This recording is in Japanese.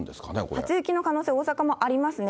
初雪の可能性、大阪もありますね。